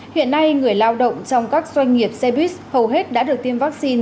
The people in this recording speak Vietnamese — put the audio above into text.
hiện nay người lao động trong các doanh nghiệp xe buýt hầu hết đã được tiêm vaccine